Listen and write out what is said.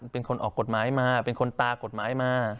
เป็นคนออกกฎหมายมาเป็นคนตากฎหมายมา